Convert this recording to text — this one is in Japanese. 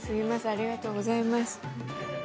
ありがとうございます。